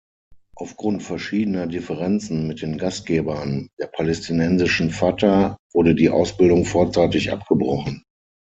Aufgrund verschiedener Differenzen mit den Gastgebern, der palästinensischen Fatah, wurde die Ausbildung vorzeitig abgebrochen.